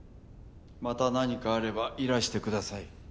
また何かあればいらしてください。